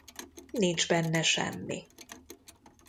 Nincs benne semmi.